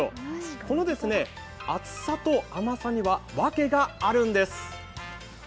この厚さと甘さにはワケがあるんです。